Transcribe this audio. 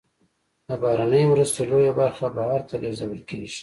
د بهرنیو مرستو لویه برخه بهر ته لیږدول کیږي.